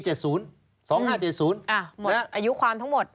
อายุความทั้งหมด